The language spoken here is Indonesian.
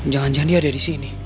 jangan jangan dia ada di sini